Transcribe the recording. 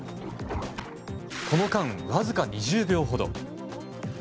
この間、わずか２０秒ほど。